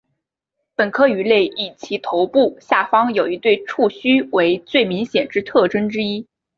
本科鱼类以其头部下方有一对触须为最明显之特征之一。